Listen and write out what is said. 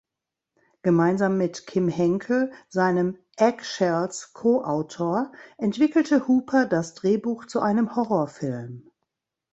Gemeinsam mit Kim Henkel, seinem "Eggshells"-Co-Autor, entwickelte Hooper das Drehbuch zu einem Horrorfilm.